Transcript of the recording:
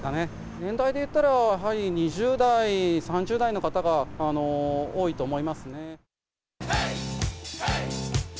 年代でいったら、やはり２０代、３０代の方が多いと思いますね。